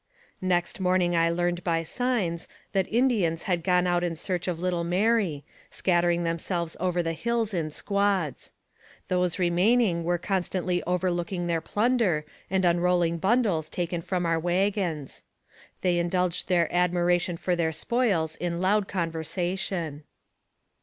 Next morning I learned, by signs, that Indians had gone out in search of little Mary, scattering themselves over the hills, in squads. Those remaining were con stantly overlooking their plunder and unrolling bundles taken from our wagons. They indulged their admira tion for their spoils in loud conversation.